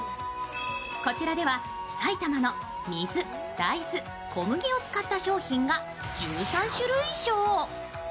こちらでは埼玉の水、大豆小麦を使った商品が１３種類以上。